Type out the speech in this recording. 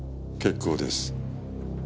結構です。